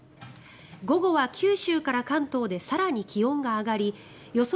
午後は九州から関東で更に気温が上がり予想